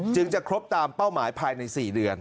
จะครบตามเป้าหมายภายใน๔เดือน